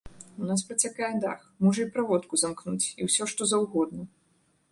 У нас працякае дах, можа і праводку замкнуць і ўсё, што заўгодна.